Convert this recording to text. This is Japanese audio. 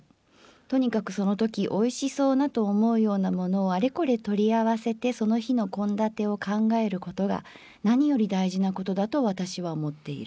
とにかくそのとき美味しそうなと思うようなものをあれこれ取り合わせてその日の献立を考えることが何より大事なことだと私は思っている」。